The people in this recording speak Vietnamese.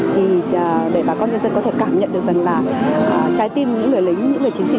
thì để bà con nhân dân có thể cảm nhận được rằng là trái tim những người lính những người chiến sĩ